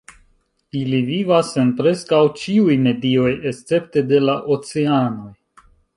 Ili vivas en preskaŭ ĉiuj medioj, escepte de la oceanoj.